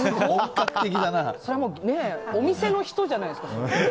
それはもうお店の人じゃないですか。